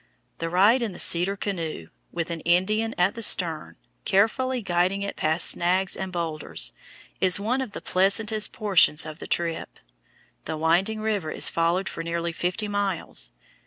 The ride in the cedar canoe, with an Indian at the stern carefully guiding it past snags and boulders, is one of the pleasantest portions of the trip. The winding river is followed for nearly fifty miles.